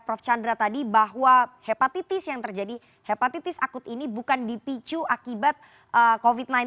prof chandra tadi bahwa hepatitis yang terjadi hepatitis akut ini bukan dipicu akibat covid sembilan belas